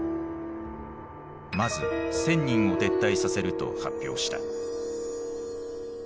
まず１，０００人を撤退させると発表した。